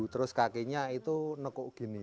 terus kakinya itu nekuk gini